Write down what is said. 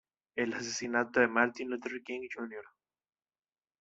El asesinato de Martin Luther King, Jr.